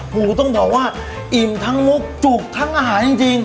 โอ้โหต้องบอกว่าอิ่มทั้งมุกจุกทั้งอาหารจริง